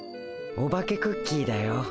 お化けクッキーだよ。